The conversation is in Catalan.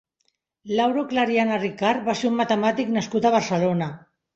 Lauro Clariana Ricart va ser un matemàtic nascut a Barcelona.